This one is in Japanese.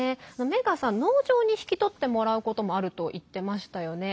メーガンさん、農場に引き取ってもらうこともあると言ってましたよね。